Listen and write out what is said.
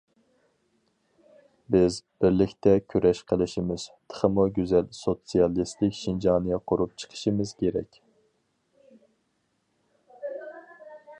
بىز بىرلىكتە كۈرەش قىلىشىمىز، تېخىمۇ گۈزەل سوتسىيالىستىك شىنجاڭنى قۇرۇپ چىقىشىمىز كېرەك.